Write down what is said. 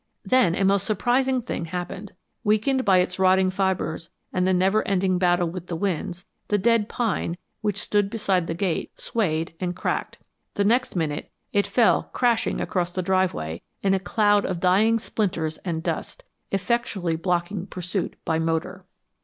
Then a most surprising thing happened. Weakened by its rotting fibres and the never ending battle with the winds, the dead pine, which stood beside the gate, swayed and cracked. The next minute it fell crashing across the driveway in a cloud of dying splinters and dust, effectually blocking pursuit by motor.